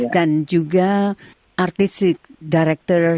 dan juga artis director